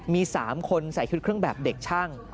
มี๓คนใส่ชุดเครื่องแบบเด็กช่าง